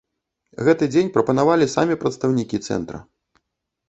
Гэты дзень прапанавалі самі прадстаўнікі цэнтра.